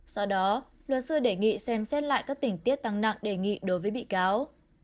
sau đó luật sư đề nghị xem xét lại các tình tiết tăng nặng đề nghị đối với bị cáo